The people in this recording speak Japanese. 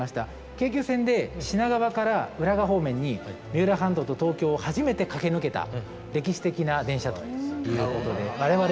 京急線で品川から浦賀方面に三浦半島と東京を初めて駆け抜けた歴史的な電車ということで我々にとっても大切な車両でございます。